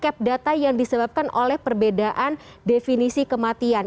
ada gap data yang disebabkan oleh perbedaan definisi kematian